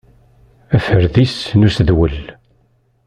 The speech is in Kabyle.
Aferdis n usedwel.